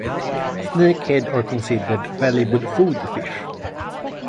Snakeheads are considered valuable food fish.